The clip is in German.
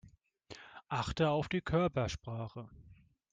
Achte auf die Körpersprache.